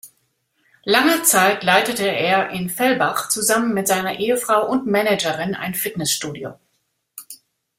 Lange Zeit leitete er in Fellbach zusammen mit seiner Ehefrau und Managerin ein Fitnessstudio.